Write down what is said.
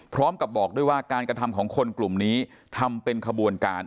พร้อมกับบอกด้วยว่าการกระทำของคนกลุ่มนี้ทำเป็นขบวนการ